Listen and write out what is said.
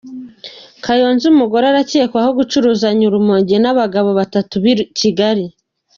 Kayonza: Umugore arakekwaho gucuruzanya urumogi n’abagabo batatu b’i Kigali